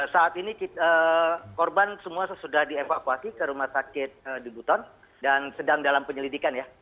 saat ini korban semua sudah dievakuasi ke rumah sakit di buton dan sedang dalam penyelidikan ya